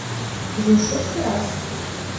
Ужо ў шосты раз.